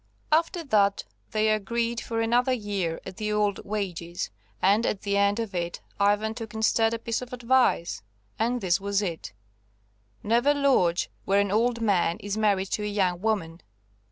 After that they agreed for another year at the old wages, and at the end of it Ivan took instead a piece of advice, and this was it: "Never lodge where an old man is married to a young woman."